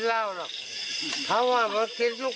ทำไมทำตัวเห็นนี่สิยูป